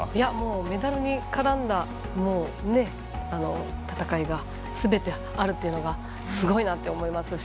メダルに絡んだ戦いがすべてあるというのはすごいなって思いますし